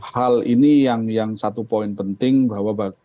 hal ini yang satu poin penting bahwa